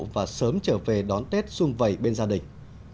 và sớm trở về đón tết xung vầy bên gia đình